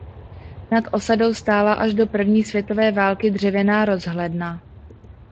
Nad osadou stála až do první světové války dřevěná rozhledna.